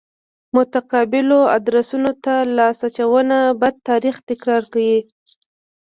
متقابلو ادرسونو ته لاس اچونه بد تاریخ تکرار کړ.